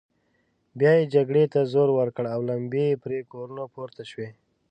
بيا يې جګړې ته زور ورکړ او لمبې يې پر کورونو پورته شوې.